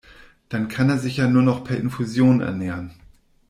Dann kann er sich ja nur noch per Infusion ernähren.